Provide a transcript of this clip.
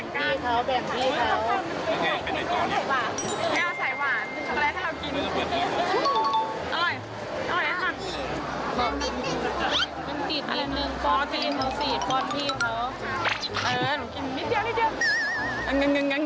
กินป่าน